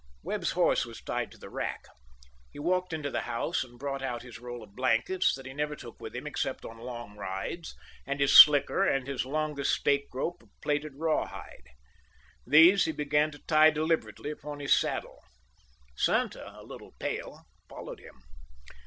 Webb's horse was tied to the rack. He walked into the house and brought out his roll of blankets that he never took with him except on long rides, and his "slicker," and his longest stake rope of plaited raw hide. These he began to tie deliberately upon his saddle. Santa, a little pale, followed him.